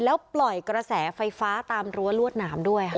แล้วปล่อยกระแสไฟฟ้าตามรั้วลวดหนามด้วยค่ะ